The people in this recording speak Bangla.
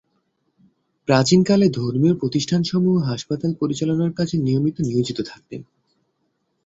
প্রাচীনকালে ধর্মীয় প্রতিষ্ঠানসমূহ হাসপাতাল পরিচালনার কাজে নিয়মিত নিয়োজিত থাকতেন।